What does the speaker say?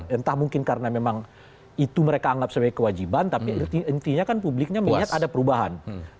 entah mungkin karena memang itu mereka anggap sebagai kewajiban tapi intinya kan publiknya melihat ada perubahan